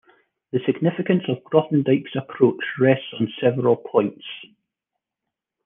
The significance of Grothendieck's approach rests on several points.